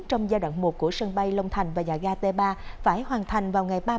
trong giai đoạn một của sân bay long thành và nhà ga t ba phải hoàn thành vào ngày ba tháng